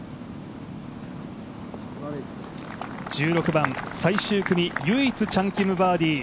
１６番最終組、唯一チャン・キム、バーディー。